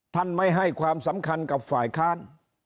ไม่ให้ความสำคัญกับฝ่ายค้าน